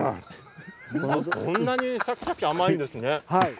こんなにシャキシャキ甘いんですね。